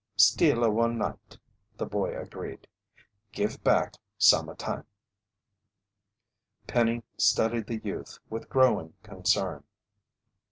"Steal a one night," the boy agreed. "Give back some a time." Penny studied the youth with growing concern.